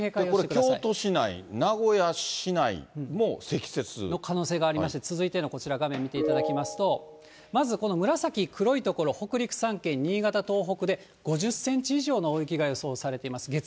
これ、京都市内、名古屋市内も積雪？の可能性がありまして、続いては、こちらのがめんをみていただきますとまずこの紫、黒い所、北陸３県、新潟、東北で、５０センチ以上の大雪が予想されています。